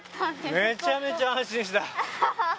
めちゃめちゃ安心した。